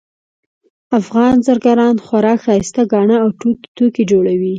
افغان زرګران خورا ښایسته ګاڼه او توکي جوړوي